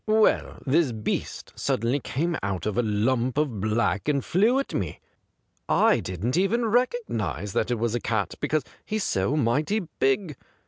Well, this beast suddenly came out of a lump of black and flew at me. I didn't even recognise that it was a cat, because he's so mighty big.